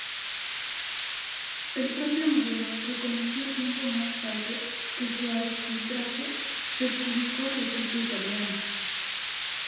El propio Moreno reconoció tiempo más tarde que su arbitraje perjudicó al equipo italiano.